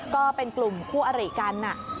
ก็เป็นกลุ่มคู่อริกัน